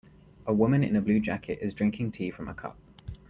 A woman in a blue jacket is drinking tea from a cup.